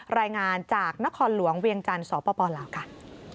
รายงานจากนครหลวงเวียงจันทร์สปลาวค่ะ